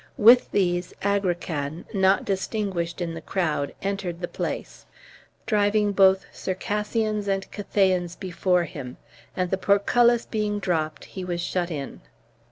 With these Agrican, not distinguished in the crowd, entered the place, driving both Circassians and Cathayans before him, and the portcullis being dropped, he was shut in.